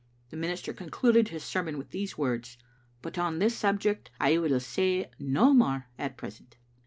The minister concluded his ser mon with these words: " But on this subject I will say no more at present."